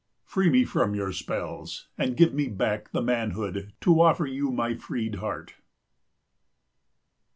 Free me from your spells, and give me back the manhood to offer you my freed heart.